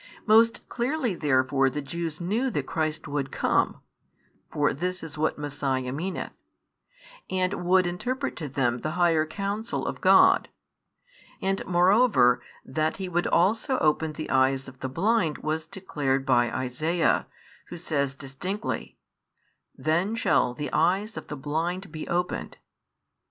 Most clearly therefore the Jews knew that Christ would come, (for this is what Messiah meaneth), and would interpret to them the higher counsel of God; and moreover that He would also open the eyes of the blind was declared by Isaiah, who says distinctly: Then shall the eyes of the blind be opened.